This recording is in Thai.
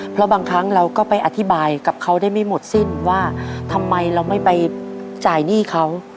เพราะบางครั้งเราก็ไปอธิบายกับเขาได้ไม่หมดสิ้นว่าทำไมเราไม่ไปจ่ายหนี้เขา